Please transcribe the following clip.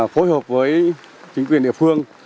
phối hợp với chính quyền địa phương